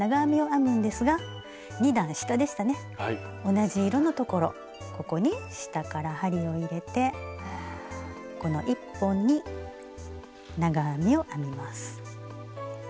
同じ色のところここに下から針を入れてこの１本に長編みを編みます。